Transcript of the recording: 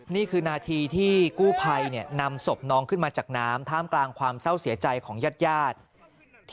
นี่คือนาทีที่กู้ภัยนำศพน้องขึ้นมาจากน้ำท่ามกลางความเศร้าเสียใจของญาติญาติ